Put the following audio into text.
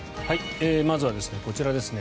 まずはこちらですね。